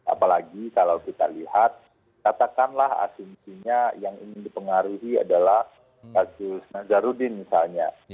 apalagi kalau kita lihat katakanlah asumsinya yang ingin dipengaruhi adalah kasus nazarudin misalnya